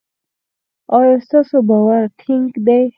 ایا ستاسو باور ټینګ دی؟